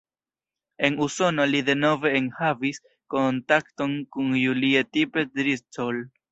En Usono li denove ekhavis kontakton kun Julie Tippetts-Driscoll.